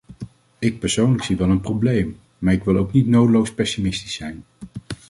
Ik persoonlijk zie wel een probleem, maar ik wil ook niet nodeloos pessimistisch zijn.